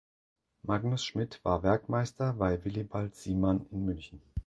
Magnus Schmid war Werkmeister bei Willibald Siemann in München.